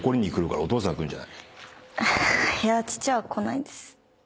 いや父は来ないです。